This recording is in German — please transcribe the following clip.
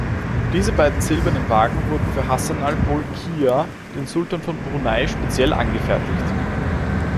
Diese beiden silbernen Wagen wurden für Hassanal Bolkiah, den Sultan von Brunei, speziell angefertigt.